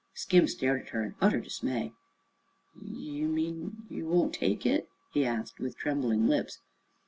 Skim stared at her in utter dismay. "Ye mean ye won't take it?" he asked with trembling lips.